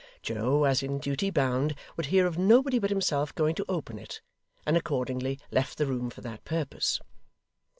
Joe, as in duty bound, would hear of nobody but himself going to open it; and accordingly left the room for that purpose.